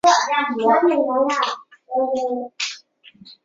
网页服务器。